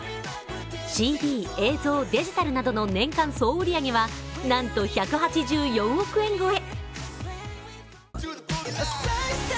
ＣＤ・映像・デジタルなどの年間総売上はなんと１８４億円超え。